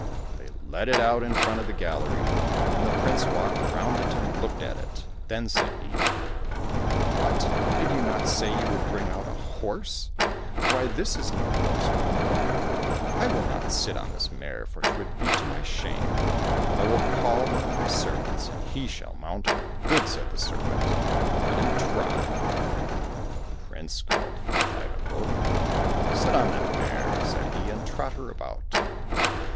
They led it out in front of the gallery, and the prince walked round it and looked at it. Then said he, " What ! did you not say you would bring out a horse ? Why, this is no horse, but a mare. I will not sit on this mare, for 'twould be to my shame. I will call one of my servants, and he shall mount her." " Good !" said the serpent, " let him try !" The prince called forth Ivan Golik. " Sit on that mare," said he, " and trot her about